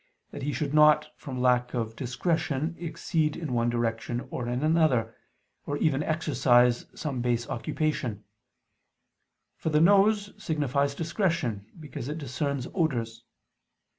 that he should not, from lack of discretion, exceed in one direction or in another, or even exercise some base occupation: for the nose signifies discretion, because it discerns odors.